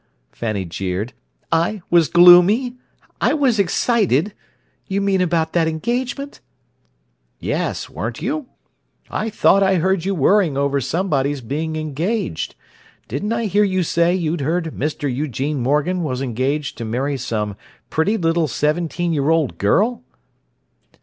Fanny jeered. "I was gloomy? I was excited? You mean about that engagement?" "Yes. Weren't you? I thought I heard you worrying over somebody's being engaged. Didn't I hear you say you'd heard Mr. Eugene Morgan was engaged to marry some pretty little seventeen year old girl?"